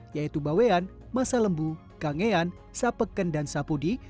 yaitu bawean masalembu kangean sapeken dan sapudi